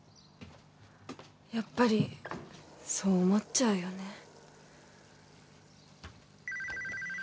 やっぱりそう思っちゃうよね。